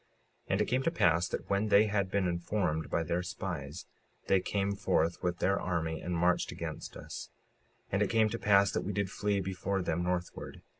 56:35 And it came to pass that when they had been informed by their spies, they came forth with their army and marched against us. 56:36 And it came to pass that we did flee before them, northward.